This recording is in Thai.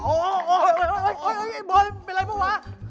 โอ๊ยโอ๊ยโอ๊ยบอยเป็นอะไรปะวะ